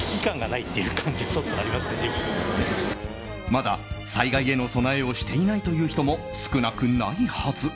まだ災害への備えをしていないという人も少なくないはず。